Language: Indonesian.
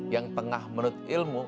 yang tengah menut ilmu